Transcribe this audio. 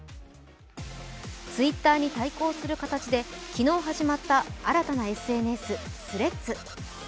Ｔｗｉｔｔｅｒに対抗する形で昨日始まった新たなＳＮＳ、Ｔｈｒｅａｄｓ。